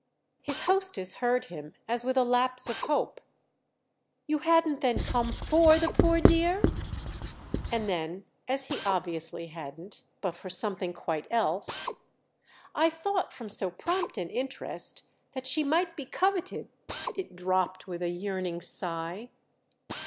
His hostess heard him as with a lapse of hope. "You hadn't then come for the poor dear?" And then as he obviously hadn't, but for something quite else: "I thought, from so prompt an interest, that she might be coveted—!" It dropped with a yearning sigh.